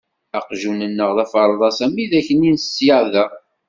Aqjun-nneɣ d aferḍas am widak-nni n ṣyada.